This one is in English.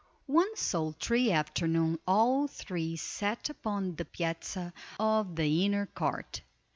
One sultry afternoon all three sat upon the piazza of the inner court.